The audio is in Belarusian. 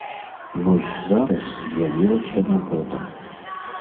Вось зараз з'явілася нагода.